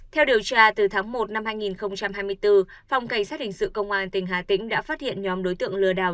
theo điều tra từ tháng một năm hai nghìn hai mươi bốn phòng cảnh sát hình sự công an tỉnh hà tĩnh đã phát hiện nhóm đối tượng lừa đảo